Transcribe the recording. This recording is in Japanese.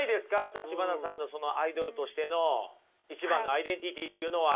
橘さんのアイドルとしての一番のアイデンティティーっていうのは。